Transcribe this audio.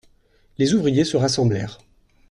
Les ouvriers se rassemblèrent.